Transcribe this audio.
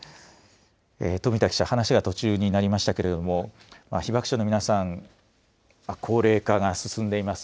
富田記者、話が途中になりましたけれども被爆者の皆さん、高齢化が進んでいます。